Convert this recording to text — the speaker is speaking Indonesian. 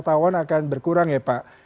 jumlah wisatawan akan berkurang ya pak